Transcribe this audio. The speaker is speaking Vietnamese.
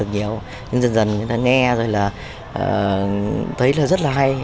nhưng dần dần người ta nghe rồi là thấy rất là hay